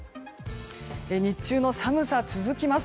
日中の寒さ、続きます。